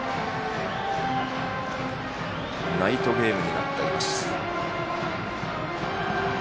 ナイトゲームになっています。